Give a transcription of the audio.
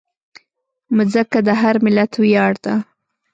مځکه د هر ملت ویاړ ده.